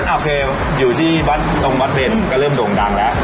โอเคอยู่ที่วัดตรงวัดเบนก็เริ่มโด่งดังแล้ว